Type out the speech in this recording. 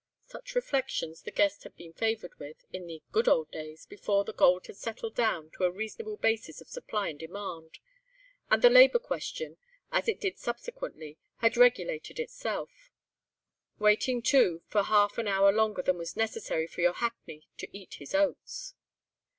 Such reflections the guest has been favoured with, in the "good old days," before the gold had settled down to a reasonable basis of supply and demand, and the labour question—as it did subsequently—had regulated itself. Waiting, too, for half an hour longer than was necessary for your hackney to eat his oats.